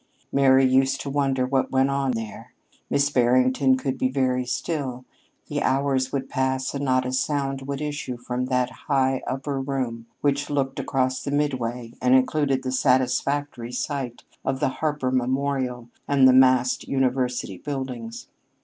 Mary used to wonder what went on there. Miss Barrington could be very still. The hours would pass and not a sound would issue from that high upper room which looked across the Midway and included the satisfactory sight of the Harper Memorial and the massed University buildings.